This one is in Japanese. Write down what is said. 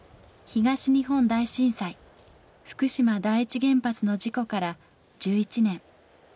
東日本大震災福島第一原発の事故から１１年。